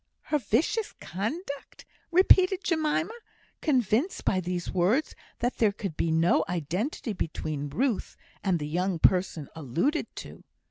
"Her vicious conduct!" repeated Jemima, convinced by these words that there could be no identity between Ruth and the "young person" alluded to.